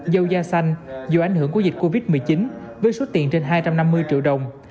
dâu da xanh dù ảnh hưởng của dịch covid một mươi chín với số tiền trên hai trăm năm mươi triệu đồng